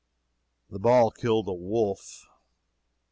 The ball killed a wolf.